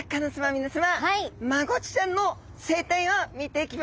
皆さまマゴチちゃんの生態を見ていきましょう。